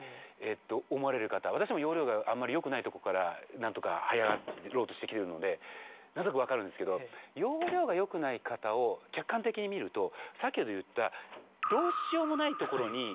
私も要領があんまりよくないとこから何とかはい上がろうとしてきてるので何となく分かるんですけど要領がよくない方を客観的に見ると先ほど言った。